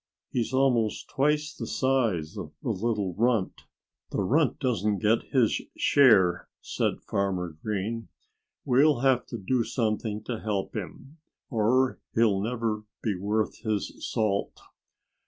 He's almost twice the size of the little runt." "The runt doesn't get his share," said Farmer Green. "We'll have to do something to help him, or he'll never be worth his salt."